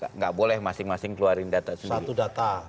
jadi nggak boleh masing masing keluarin data sendiri